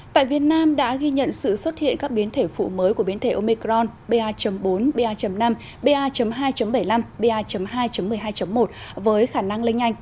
tại việt nam đã ghi nhận sự xuất hiện các biến thể phụ mới của biến thể omecron ba bốn ba năm ba hai bảy mươi năm ba hai một mươi hai một với khả năng lên nhanh